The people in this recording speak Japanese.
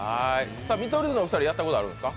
見取り図のお二人はやったことがありますか？